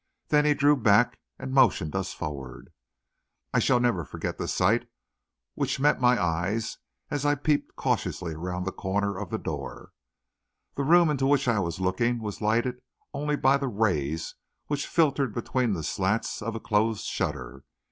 Then he drew back and motioned us forward. I shall never forget the sight which met my eyes as I peeped cautiously around the corner of the door. The room into which I was looking was lighted only by the rays which filtered between the slats of a closed shutter.